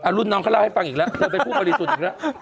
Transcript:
หรือน้องก็เล่าให้ฟังอยู่แล้วเพิ่มไปพูดบริสุทธิ์อีกแล้ว